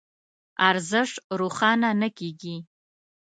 ارزش روښانه نه کېږي.